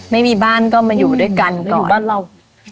ไม่มีบ้านก็มาอยู่ด้วยกันก็อยู่บ้านเรา